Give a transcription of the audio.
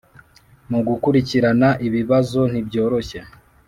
Mu gukurikirana ibibazo ntibyoroshye